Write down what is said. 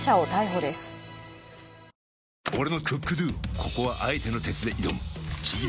ここはあえての鉄で挑むちぎり